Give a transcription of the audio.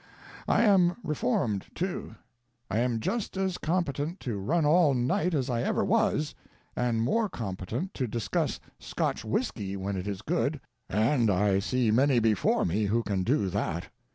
I am reformed, too. I am just as competent to run all night as I ever was, and more competent to discuss Scotch whisky when it is good and I see many before me who can do that.